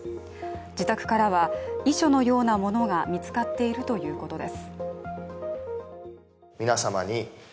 自宅からは遺書のようなものが見つかっているということです。